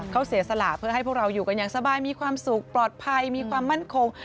เขาเสียสละเพื่อให้พวกเราอยู่กันอย่างสบายมีความสุขปลอดภัยมีความมั่นคง